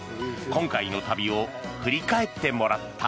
今回の旅を振り返ってもらった。